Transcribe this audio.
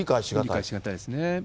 理解し難いですね。